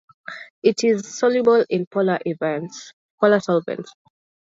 It is soluble in polar solvents.